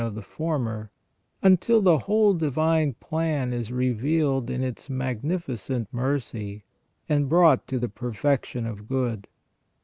of the former, until the whole divine plan is revealed in its magni ficent mercy, and brought to the perfection of good.